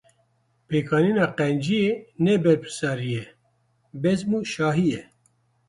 Pêkanîna qenciyê ne berpirsyarî ye, bezim û şahî ye.